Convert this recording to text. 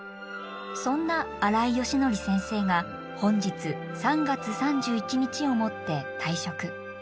そんな新井淑則先生が本日３月３１日をもって退職。